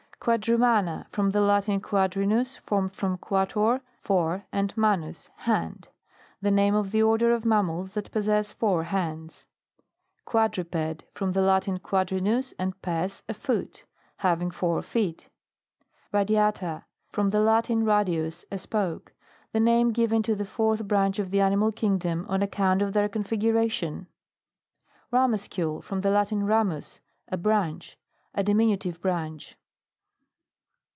QUADRUMANA. From the Latin, quad rinus, formed from quatuor, four, and manus, hand. The name of the order of mammals that possess four hands. QUADRUI ED. From the Latin, quad, rinuft, and pes, a foot. Having four fe,t. RADIATA. From the Latin, radius, a spoke. The name given to the fourth BRANCH of the amrnal king dom, on account of tluir configu ration. RAMUSCULE. From the Latin, ramus* a branch. A diminutive branch.